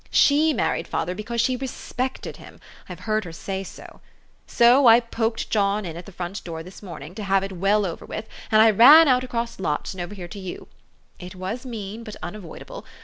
She married father because she RESPECTED him. I've heard her say so. So I poked John in at the front door this morning, to have it well over 160 THE STORY OF AVIS. with, and I ran out across lots, and over here to you. It was mean, but unavoidable.